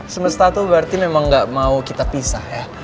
semesta itu berarti memang gak mau kita pisah ya